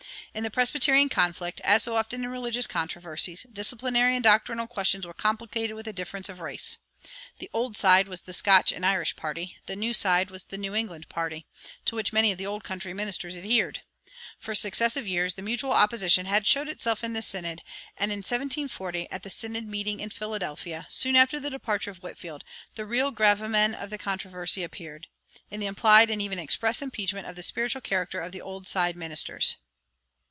In the Presbyterian conflict, as so often in religious controversies, disciplinary and doctrinal questions were complicated with a difference of race. The "Old Side" was the Scotch and Irish party; the "New Side" was the New England party, to which many of the old country ministers adhered. For successive years the mutual opposition had shown itself in the synod; and in 1740, at the synod meeting at Philadelphia, soon after the departure of Whitefield, the real gravamen of the controversy appeared, in the implied and even express impeachment of the spiritual character of the Old Side ministers.